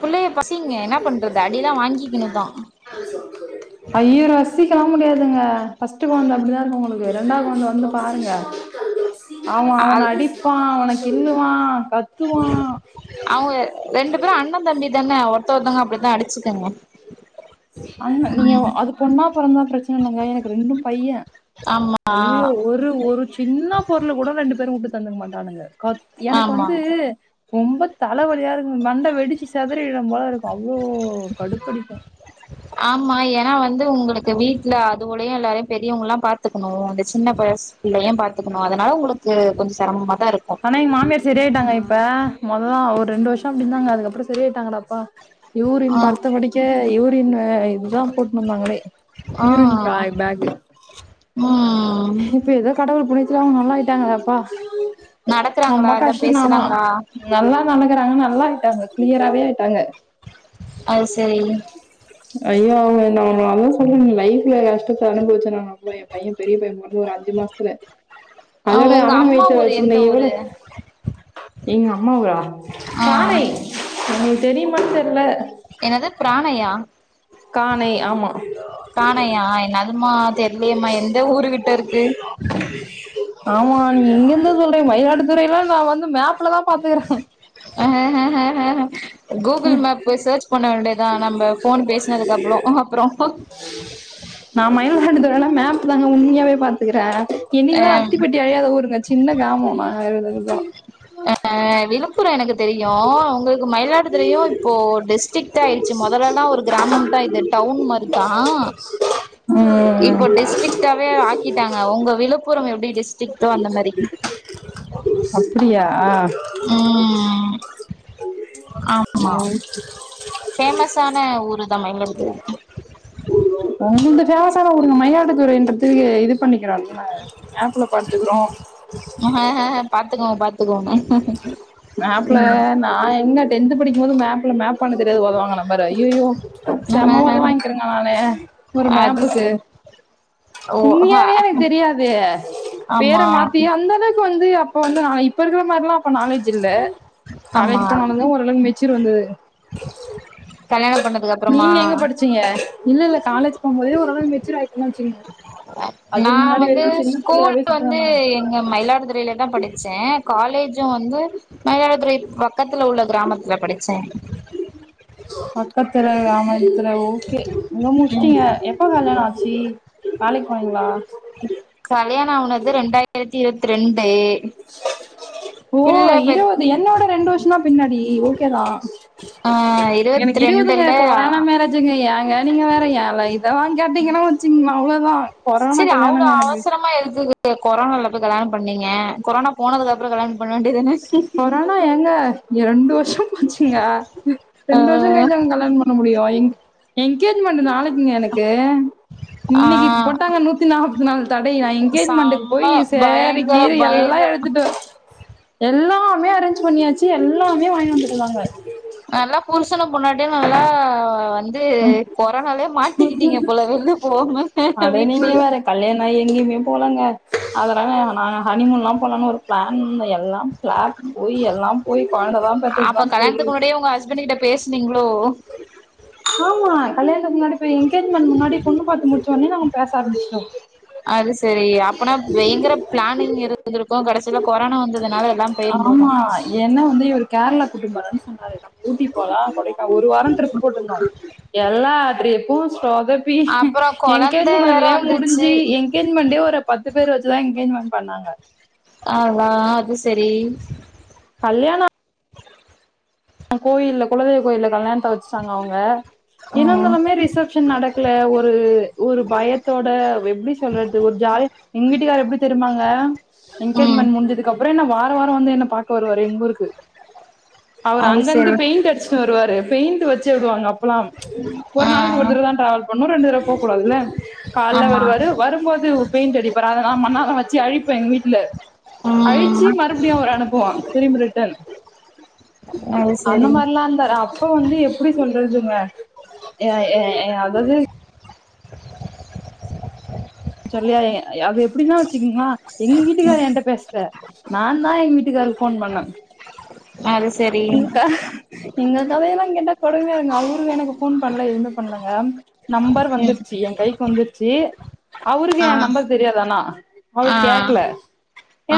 பிள்ளைய பசிங்க என்ன பண்றது அடியெல்லாம் வாங்கிக்கிணுதான் ஐய ரசிக்கலாம் முடியாதுங்க பஸ்ட் குழந்து அப்படிதான் இருக்கும் உங்கலுக்கு ரெண்டா குழந்தவந்து வந்து பாருங்க அவன் அவனை அது அடிப்பான் அவன கில்லுவான் கத்துவான் அப்டிதான்ன ஒரத்தெரத்தங்க அப்படித்தான் அடிச்சுக்குங்க அண்ணா நீங்க அது பொண்ணா பறந்தா பிரச்சனை இல்லைங்க எனக்கு ரெண்டும் பையன் ஆமா ஐயயோ ஒரு ஒரு சின்ன பொருள கூட ரெண்டு பேரும் வுட்டு தந்துங்க மாட்டன் கானுங்க கத் எனக்கு ஆமா வந்து ரொம்ப தலைவலியா இருக்கும் மண்டை வெடிச்சு செதறிடம் போல இருக்கும் அவ்வளோ கடுப்படிக்கும் ஆமா ஏன்னா வந்து உங்களுக்கு வீடல அது ஒடையும் எல்லாரையும் பெரியவங்கல்லாம் பார்த்துக்கணும் அந்த சின்ன வயசுலையும் பார்த்துக்கணும் அதனால உங்களுக்கு கொஞ்சம் சிரமமா ஆனா எங்க மாமியார் சரியயிட்டாங்க இப்ப முதல்லான் ஒரு ரெண்டு வருஷம் அப்படி இருந்தாங்க அதுக்கப்புறம் சரியாயிட்டாங்கடாப்பா யூவ்ரின் ஆ படுத்த படிக்க யூவ் யூரின்வேர இதுதான் போட்ணு இருந்தாங்களே ஆ யூரின்பாய் பேக்கு ம் இப்ப ஏதோ கடவுள் புண்ணியத்துல அவங்க நல்லா ஆயிட்டாங்காப்பா நடக்கறாங்களா ரொம்ப இல்ல கஷ்டம்நான பேசுறாங்களா நல்லா நனக்கிறாங்கனுன நல்லா ஆட்டாங்க கிலியரவே ஆயிட்டாங்க அது சரி ஐயோ அவங்க நான்னு அதும் சொல்றேன் லைஃப்ல கஷ்டபடும்போது நானு அவ்வ என் பையன் பெரிய பையன்ம அது ஒரு அஞ்சு மாசத்துல ஆ, அதோட உங்க அவன அம்மா வெயட்டு ஊரு எந்த வச்சுந்தேன் ஊரு இவ எங்க அம்மா ஆ ரானை உங்களுக்கு தெரியும்மா தெ என்னது பிராணையா கானை ஆமா மா தெரியலம்மா எந்த ஊரு கிட்ட இருக்கு ஆமா நீ என்ன சொல்ரிங்க மயிலாடுதுறைையில நா வந்து மேப்ல தான் பாத்துக்கறே ஆ ஆ கூகுள் மேப் போய் சர்ச் பண்ண வேண்டியதா நம்ம போன் பேசனதுக்கு அப்புற அப்புற நா மயிலாடுதுறை எல்லா மேப் தாங்க உண்மையாவே பாத்துக்றே இன்னைக்குதா அத்திப்பட்டி அழியாத ஊருங்க சின்ன கிராம்மா ஆர்வேத தா ஆ விழுப்புர எனக்கு தெரியு உங்களுக்கு மயிலாடுதுறையு இப்போ டிஸ்ட்ரிக் ஆயிடுச்சு முதலல்லன்னா ஒரு கிராமம் தா இது டவுன் தான் இப்போ ம் டிஸ்ட்ரிக்ட் ஆவே கிட்டாங்க உங்க விழுப்புரம் எப்டி டிஸ்ட்ரிக்ட்டோ அந்த மாரி அப்படியா ம் ஆமா ம் பேமஸான ஊரு தா மயிலாடுதுறை உந்து பேமஸானடுங்க மயிலாடுதுறைன்ற த இது பண்ணிக்கிலாம் ல மேப் ல விழுப்புரோ பாத்துக்கோங்க பாத்துக்கோங்க மேப்ல நான் எங்க டென்த் படிக்கும்போது மேப்ல மேப் பண்ண தெரியாது உதவாங்கன்னு பாரு அய்யயோ செம்ம உத வாங்கிக்கிருங்க நானு ஒரு அது மேப்புக்கு சரி ஓ ஹா உண்மியாவே எனக்கு தெரியாது பேர ஆமா மாத்தி அந்த அளவுக்கு வந்து அப்ப வந்து நா இப்போ இருக்கிற மாரிலா அப்ப நாலேஜ் இல்ல காலேஜ் போனாலத ஓரளவுக்கு மெச்சூர் வந்தது கல்யாண நீங்க எங்க படிச்சீங்க இல்ல இல்ல காலேஜ் போம்போதே ஓர் அளவு மெச்சூர் ஆயக்கன்னனு வச்சுங்க நா அதுக்கு முன்னாடி வந்து வரைக்கும் சின்ன ஸ்கூல் பிள்ளையாவே சுத்தி வந்து வந்தாங்க எங்க மயிலாடுதுறையில தா படிச்சே காலேஜும் வந்து மயிலாடுதுறை பக் பக்கத்துல உள்ள கிராமத்துல படிச்சே [unintelligible] ஓகே ம் முடிச்சீங்க எப்ப கல்யாண ஆச் சு வேலைக்கு போனைங்களா கல்யாண ஆவ்னது ரெண்டாயிரத்தி இருவத்தி ரெண்டு ஓ பிள்ள பெத் இருவது என்னோட ரெண்டு வருஷனா பின்னாடி ஓகே தா ஆ எனக்கு இருவத்தி இருவதுங்க ரெண்டுல கொரோனா மேரேஜுங்க ஏங்க நீங்க வேற ஏன் இதலா கேட்டீங்கன்னா வச்சுங்களா அவ்ளோதா சரி அவ்ளோ அவசரமா எதுக் கு கொரோனால போயி கல்யாணம் பண்ணீங்க கொரோனா போனதுக்குப்புற கல்யான பண்ண வேண்டியது தான கொரோனா எங்க இரண்டு வருஷ போச்சுங்க ரெண்டு வருஷ கழிச்சாங்க கல்யாண பண்ண முடியு என்ங்கேஜ்மெண்ட் நாளைக்குங்க எனக்கு ஆ இன்னைக்கு இ போட்டாங்க நூத்தி நாற்பத்தி நாலு தடை எனங்கேஜ்மெண்டக்கு செம்ம போய் சேரி பயங்கர கீரி பயங்கர எல்லா எடுத்துட்டு எல்லாமே அரேஞ்ச் பண்ணியாச்சு எல்லாமே வாங்கிட் வந்துந்தாங்க நல்லா புருசன்னு பொண்டாட்டியு நல்லா வந் து ம் கொரோனாலே மாட்டிக்கிட்டீங்க போல வெள போவோம்ம அட வீட்லயே அதன நாங்க ஹனிமூன்லா போலனு ஒரு பிளான் எல்லா பிளா போயி எல்லா போயி அப்ப கல்யாணத்துக்கு முன்னாடியே உங்க ஹஸ்பண்ட் கிட்ட பேசுனீங்கலோ ஆமா கல்யாணக்கு முன்னாடி போய் எனங்கேஜ்மெண்ட் முன்னாடி பொண்ணு பாத்துு முச்சோடனே நாங்க பேச ஆரம்பிச்சிட்டோ அது சரி அப்பனா பயங்கர பிளானிங் இருந்திருக்கு கடைசியில கொரோனா வந்ததுனால எல்லா போயிர் ஆமா என்ன வந்து இவரு கேரளா கூட்டின்போர சொன்னாரு நம் ஊட்டி போலாம் கொடைக்கா ஒரு வாரம் ட்ரிப் போட்ருந்தோ எல்லா ட்ரிபூ சொதப்பி அப்புறோ கொழந்த வேற எனங்கேஜ்மெண்ட்ல வந்துருச்சு முடிஞ்சு எனங்கேஜ்மெண்டே ஒரு பத்து பேர் வச்சு தா எங்கேஜ்மென்ட் பண்ணாங்க ஆஹ் வா அது சேரி கல்யாண கோயில்ல குலதெய்வ கோயில்ல கல்யாணத்த வச்சுட்டாங்க அவுங்க ம் இருந்தாலுமே ரிசப்ஷன் நடக்கல ஒரு ஒரு பயத்தோட எப்படி சொல்றது ஒரு ஜா அது எங்க வீட்டுக்காரர் எப்படி தெரியுமாங்க ம் என்கேஜ்மெண்ட் முடிஞ்சதுக்கு அப்புறம் என்ன வார வாரம் வாரம் வந்து என்ன பாக்க வருவாரு எங்க ஊருக்கு அவரு அது அங்கேருந்து சரி பெயிண்ட் அடிச்சுட்டு வருவாரு பெயிண்ட் வச்சு விடுவாங்க அப்பல்லாம் ஒரு ஆ நாளைக்கு ஒரு தடவ தான் ட்ரவல் பண்ணணும் ரெண்டு தடவை போக கூடாதுல்ல காலைல ஆமா வருவாரு வரும்போது பெயிண்ட் அடிப்பாரு அத நா மண்ணால வச்சு அழிப்பேன் எங்க வீட்டு இல்ல ம் அழிஞ்சு மறுபடியும் ஒரு அனுப்புவோம் திரும்பி ரிட்டன் அது அந்த சரி மாதிரிலாம் இருந்தாரு அப்ப வந்து எப்படி சொல்ல துங்க ஏ ஏ ஏ அதாவது சொல்லியா அது எப்படின்னா வச்சுக்கீங்களா எங்க வீட்டுக்காரர் என்கிட்ட பேசல நான் தான் என் வீட்டுக்காரருக்கு போன் பண்ணேன் அது சரி இங்க இங்கக்காவே தா கேட்டா கொடுமையா இருக்கும் அவரு எனக்கு போன் பண்ணல எதுவுமே பண்ணலங்க நம்பர் ம் வந்துருச்சு என் கைக்கு வந்துருச்சு அவருக்கு ஆ என் நம்பர் தெரியாது ஆனா அவரு ஆ கேக்கல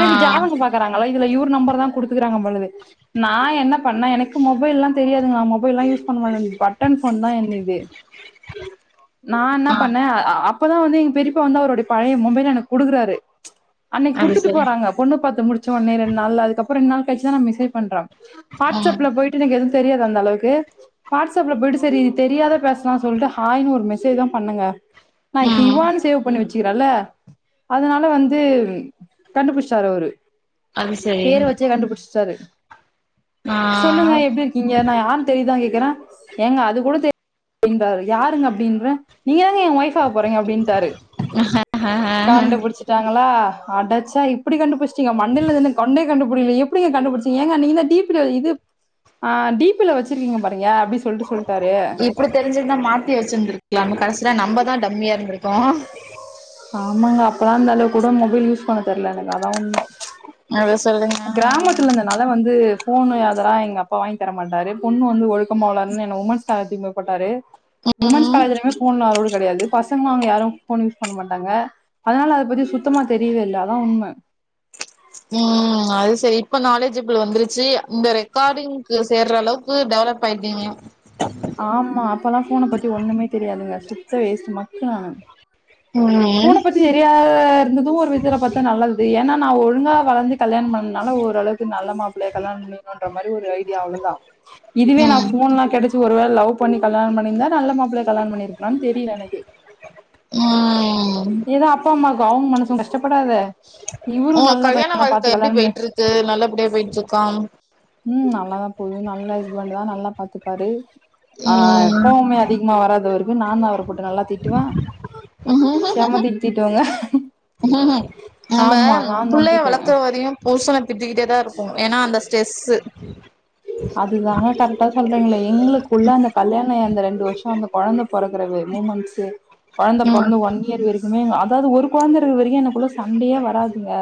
ஆ ஜாதகம் பாக்குறாங்கள இதுல இவரு நம்பர் தான் குடுத்துகுறாங்க போலருக்கு நா என்ன பண்ண எனக்கு மொபைல்லாம் தெரியாதுங்க நான் மொபைல்லாம் யூஸ் பண்ண ட்டான் பட்டன் ஃபோன் தான் என்னுது நா என்ன ஆ பண்ணேன் அப்பதான் வந்து எங்க பெரிப்பா வந்து அவருடைய பழைய மொபைல்ல எனக்கு கொடுக்குறாரு அன்னைக்கு அது கொடுத்துட்டு சரி போறாங்க பொண்ணு பாத்து முடிச்ச உடனே ரெண்டு நாள்ல அதுக்கப்புறம் ரெண்டு நாள் கழிச்சு தான் மெசேஜ் பண்றேன் ம் வாட்ஸ்அப்ல போயிட்டு எனக்கு எதுவும் தெரியாது அந்த அளவுக்கு வாட்ஸ்அப்ல போயிட்டு சரி தெரியாத பேசலாம் சொல்லிட்டு ஹாய்ன்னு ஒரு மெசேஜ் தான் பண்ணேங்க நா ம் ஹிவான்ஸ் வச்சுக்கிறல அதனால வந்து கண்டுபிடிச்சிடாரு அவரு அது சரி சரி ஆ சொல்லுங்க எப்படி இருக்கீங்க நா யாருன் தெரியுதா கே க்க எங்க அது கூட தெரியதா யாருங்க அப்படின்ற நீங்க ங்க என் வைஃப் ஆக போரிங்க அப்படின்டாரு ஹ ஹ ஹ ஹ ஹ லா அட ச்சா இப்படி கண்டுபிடிச்சிட்டீங்க மண்டைல இருந்த கொண்டய கண்டுபிடி எப்படி கண்டுபிடிச்சீங்க ஏங்க நீங்க தான் டீப்பில இது டீப்பில வச்சு இப்படி தெரிஞ்சிருந்தா மாத்தி வச்சிருந்திருக்கலாம் கடைசில நம்மதான் டம்மியா இருந்துருக் போம் ஆமாங்க அப்பல்லாம் இந்தளவுக்கு கூட மொபைல் யூஸ் பண்ண தெரில எனக்கு அதான் ஒண்ணு அத சொல்லுங்க கிராமத்துல இருந்ததுனால வந்து ஃபோண்ணு அதுலாம் எங்க அப்பா வாங்கி தர மாட்டாரு பொண்ணு வந்து ஒழுக்கமா வளரனும் என்ன வுமன்ஸ் காலேஜ்ல தான் போட்டாரு வுமென்ஸ் ம் காலேஜ்லயும் ஃபோன்லா அலோடு கிடையாது பசங்காங்க யாரும் ஃபோன் யூஸ் பண்ண மாட்டாங்க அதனால அத பத்தி சுத்தமா தெரியவே இல்ல அதான் உண்ம உம் ம் அது சரி இப்ப நாலேஜபிள் வந்துருச்சு இந்த ரெக்கார்டிங்க்கு சேர்ற அளவுக்கு டெவலப் ஆயிட்டீங்க ஆமா அப்பல்லாம் ஃபோன பத்தி ஒண்ணுமே தெரியாதுங்க சுத்த வேஸ்ட்டு மக்கு நானு ஃபோன ம் பத்தி தெரியாது இருந்ததும் ஒரு விதத்துல பாத்தா நல்லது ஏன்னா நா ஒழுங்கா வளந்து கல்யாணம் பண்ணுனால ஓரளவுக்கு நல்ல மாப்ளைய கல்யாண பண்ணன்ற மாதிரி ஒரு ஐடியா அவ்ளோ தான் இதுவே நா ம் ஃபோன்லாம் கிடைச்ச ஒரு வேள லவ் பண்ணி கல்யாணம் பண்ணிருந்தா நல்ல மாப்பிள்ளைய கல்யாணம் பண்ணிருக்கலான்னு தெரியல எனக்கு ம் ஏதோ அப்பா அம்மாக்கு அவுங்க மனசும் கஷ்டப்படாதே உ கல்யாண வாழ்க்க எப்டி போயிட்ருக்கு நல்லபடியா போயிட்ருக்கா ம் நல்லாதா போது நல்ல ஹஸ்பண்ட் தா நல்லா பாத்துப்பாரு ஆ கோவமே அதிகமா வராது அவருக்கு நா தா அவர போட்டு நல்லா திட்டுவே ம் செம திட் திட்டுவங்க உம் நம்ம புள்ளைய வளக்கற வரையு புருஷன தித்திக்கிட்டே தா இருப்போ ஏனா அந்த ஸ்ட்ரெஸ்ஸு அதுதாங்க கரட்டா சொல்றீங்ளே எங்ளுக்குள்ள அந்த கல்யாணாயி அந்த ரெண்டு வருஷோ அந்த கொழந்த பொறக்கறது மூமெண்ட்ஸு கொழந்த ம் பொறந்து ஒன்னியர் வரைக்கிமே அதாவது ஒரு கொழந்த இருக்கற வரைக்கி எனக்குள்ள சண்டையே வராதுங்க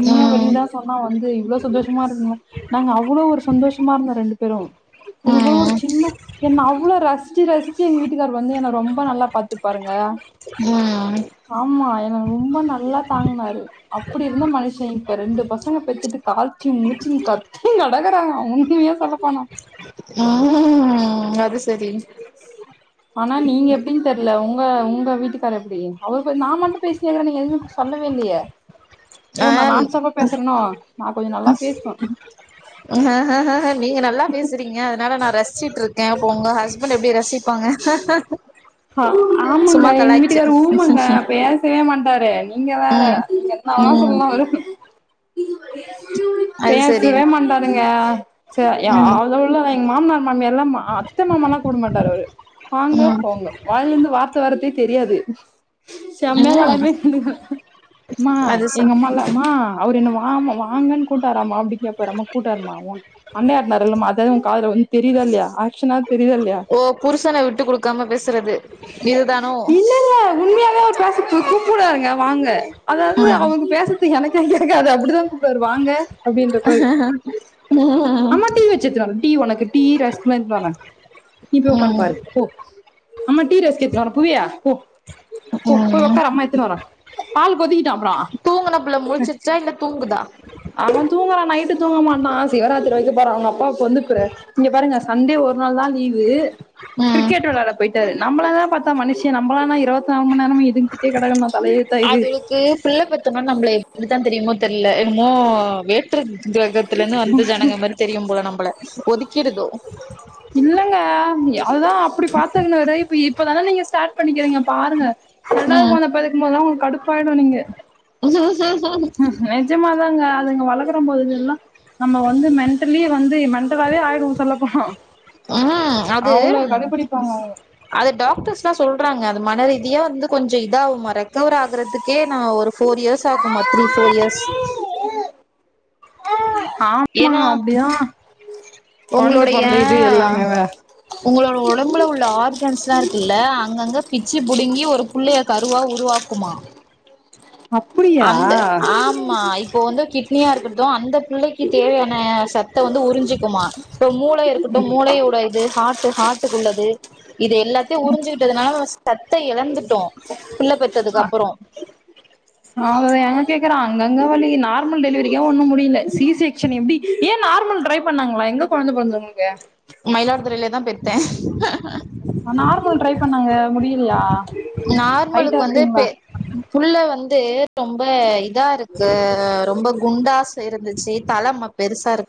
உண்மையா ம் வெளிலா சொன்னா வந்து இவ்ளோ சந்தோஷமா இருந்தீங்ளா நாங்க அவ் ளோ ஒரு சந்தோஷமா இருந்தோ ரெண்டு பேரு எங்ளுக்குள்ள ஒரு ம் சின்ன என்ன அவ்ளா ரசி ச்சு ரசிச்சு எங்க வீட்டுக்கார் வந்து என ரொம்ப நல்லா பாத்துபாருங்க ம் என்ன ரொம்ப நல்லா தாங்னாரு அப்படி இருந்த மனுஷ இப்ப ரெண்டு பசங்க பெத்துட்டு கால்ச்சு மூச்சின் கத் தீன் கடக்கறங்க உண்மைய சொல்லப்போனா ம் அது சரி [inaudible] ஆனா நீங்க எப்டின் தெர்ல உங்க உங்க வீட்டுக்கார் எப்டி அவர் வந் நா மட்டு பேசினே இருக்கற நீ எதுவு சொல்ல வே இல்லியே ஆ ஓ நா நான் ஸ்டாப்பா பேசறனோ நா கொஞ்ச நல்லா பேசுவே நீங்க நல்லா பேசறீங்க அதனால நா ரஸ்சிட்ருக்கே உங்க ஹஸ்பண்ட் எப்டி ரசிப்பாங்க ஹ ஆமாங்க சும்மா எங்க கலாய்ச்சே வீட்டுக்கார் ஊமங்க பேசவே மாட்டாரு நீங்க வேற ம் ஆனா ம் சும்மா வரு அது சரி பேசவே மாட்டாருங்க ச ய ம் அதவிட எங்க மாமனார் மாமியார்ல்லா அத்த மாமான்ல்லா கூப்ட மாட்டாரு அவரு வாங்க ம் போங்க வாய்லருந்து வார்த்த வரத்தே தெரியாது செம்மைய ம் கலாய் [unintelligible] மா அது எங்க சரி அம்மால மா அவரு என்ன வாமா வாங்கன் கூப்டாராமா அப்டி கேப்பாறாமா கூப்டாரும்மா உ அன்னையார் இர்ந்தாரில்லமா அதது உ காதுல வந் தெரியிதா இல்லையா ஆக்சனா தெரியித இல்லையா ஓ புருஷன விட்டு குடுக்காம பேசுறது இதுதானோ இல்லெல்ல உண்மையாவே அவர் பேச உங் கூப்புட்றாருங்க வாங்க அதாவ்து ம் அவங் பேசறது எனக்கு கேக்காது அப்டிதா சார் வாங்க அப்டின்ற மாரி ம் டி ரெஸ்டோரண்ட் வ நீப்பிோக்கந்து ம் பாரு போ அம்மா டீ ரஸ் கேத்து புவவியா போ ஓ ம் ஒருவக்கார அம்மா த்தோர ஆால்்கதி தூங்குன புள்ள முழ்ச்சிருச்சா இல்ல தூங்கு அவ தூங்குரா நைட்டு தூங்க மாட்டா சிவராத்திரி [unintelligible] பாரு அவுங்கப்பாக்கு வந்து இப்ப இங்க பாருங்க சண்டே ஒரு நாள் தா லீவு ம் கிரிக்கெட் வெளாயாட போயிட்டாரு நம்பளெல்லா பத்தா மனுஷி நம்பளானா இருவத் நால் மண் நேரமு இதுங்கிட்டேயே கடக்கணுமா அதுகளுக்கு புள்ள பெத்தம்னா நம்பள எப்டிதா தெரியுமோ தெர்ல என்னமோ வேற்று கிரகத்துல இருந்து வந்த ஜனங்க மாரி தெரியு போல நம்பள ஒதிக்கிருதோ இல்லங்க அது தா அப்டி பாத்துக்கின்னத இப்ப இப்ப தான நீங்க ஸ்டாட் பண்ணிக்கிறீங்க பாருங்க ரெண்டாது ம் கொழந்த பெறக்போத் தா உங்க் கடுப்பாயுடு நீங்க ம் ம் நெஜமாதாங்க அதுங்க வளக்கற போதெல்லா நம்ம வந்து மென்டலி வந்து மென்டலா ன்டலே ஆய்டுவோ சொல்ல போனா ம் அது அவ்ளோ கடுப்பிடிப்பாங்க அவங்க அது டாக்டர்ஸ்ல்லா சொல்றாங்க மனரீதியா வந்து கொஞ்சோ இதாகு மற ரெக்கவர் ஆகறதுக்கே நா ஒரு ஃபோர் இயர்ஸ் ஆகுமா திரீ ஃபோர் இயர்ஸ் ஆமா ஏன்னா அப்டிதா கொழந்த உங்களுடைய பொறந்த இது எல்லாமேவா உங்களோட ஒடம்புல உள்ள ஆர்கன்ஸ்லா இருக்குல்ல அங்கங்க பிச்சு புடுங்கி ஒரு புள்ளைய கருவா உருவா வாக்குமா அப்டியா அந்த ஆமா இப்போ வந்து கிட்னியா இருக்கட்டு அந்த புள்ளைக் கு தேவையான சத்த வந்து உறிஞ்சுக்குமா இப்ப மூள இருக்கட்டும் மூளையோட இது ஹாட் ட்டு ஹாட்டுக்குள்ளது இது எல்லாதையு உறிஞ்சுக்கிட்டதுனால சத்த எழந்துட்டோ புள்ள பெத்த அதுக்கப்பறோ அத ஏங்க கேக்கற அங்கங்க வழி நார்மல் டெலிவரிக்கே ஒண்ணு முடியல சி செக்ஷன் எப்டி ஏ நார் நார்மல் ட்ரை பண்ணாங்களா எங்க கொழந்த பொரந்து உங்களுக்கு மயிலாடுதுறைலியே தா பெத் நார்மல் ட்ரை பண்ணாங்க முடியலியா நார்மலுக்கு வந்து பெ புள்ள வந்து ரொம்ப இதா இருக்கு ரொம்ப குண்டா சிருந்துச்சு தலம்ம பெருசா இருக்குன்